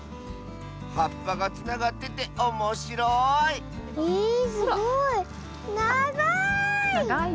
はっぱがつながってておもしろいえすごい。